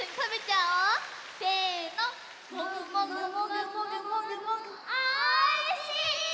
おいしい！